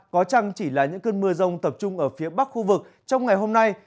có chăng chỉ là những cơn mưa rông tập trung ở phía bắc khu vực trong ngày hôm nay